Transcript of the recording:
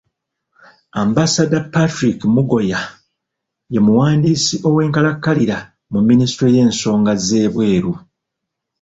Ambassador Patrick Mugoya ye muwandiisi owenkalakkalira mu minisitule y'ensonga z'ebweru.